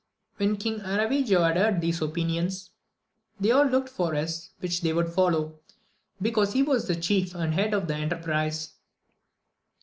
When King Aravigo had heard these opinions, they all looked for his which they would follow, because he was the chief and head of the enterprise.